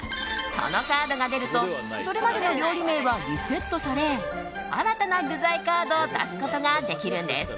このカードが出るとそれまでの料理名はリセットされ新たな具材カードを出すことができるんです。